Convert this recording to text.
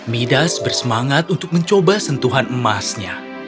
midas bersemangat untuk mencoba sentuhan emasnya